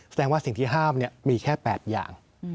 แสดงว่าสิ่งที่ห้ามเนี้ยมีแค่แปดอย่างอืม